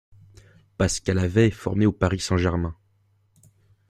Pascal Havet est formé au Paris Saint-Germain.